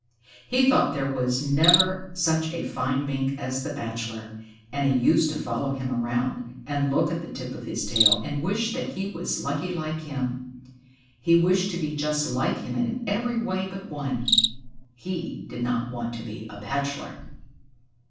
He thought there was never such a fine Mink as the Bachelor, and he used to follow him around, and look at the tip on his tail, and wish that he was lucky like him. He wished to be just like him in every way but one; he did not want to be a bachelor.